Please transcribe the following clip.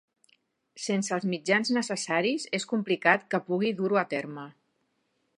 Sense els mitjans necessaris, és complicat que pugui dur-ho a terme.